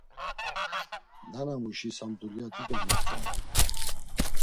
Nanamuşis ham dulya dido motzondu.